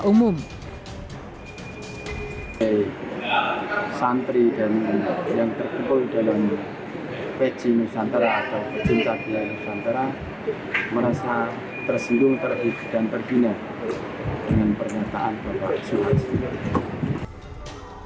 ketua umum pecinta kiai nusantara merasa tersendung dan terhina dengan pernyataan bapak suharto manuarfa